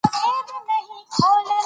عامه چارې د ګډو موخو لپاره ترسره کېږي.